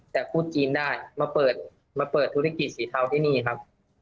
แต่พูดจีนได้มาเปิดมาเปิดธุรกิจสีเทาที่นี่ครับ